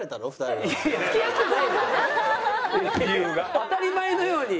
当たり前のように。